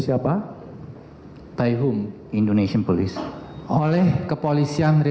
siapa yang memberikan sertifikat penghargaan itu